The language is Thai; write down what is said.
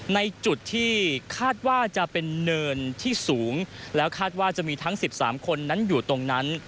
ในจุดที่คาดว่าจะเป็นเนินที่สูงแล้วคาดว่าจะมีทั้ง๑๓คนนั้นอยู่ตรงนั้น